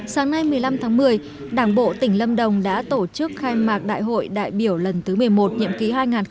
sáng nay một mươi năm tháng một mươi đảng bộ tỉnh lâm đồng đã tổ chức khai mạc đại hội đại biểu lần thứ một mươi một nhiệm ký hai nghìn hai mươi hai nghìn hai mươi năm